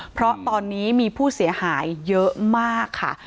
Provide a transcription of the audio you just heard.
เพราะตอนนี้มีผู้เสียหายเยอะมากค่ะ